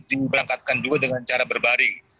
diberangkatkan dulu dengan cara berbaring